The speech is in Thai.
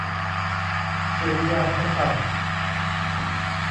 ดุริยางคศาสตร์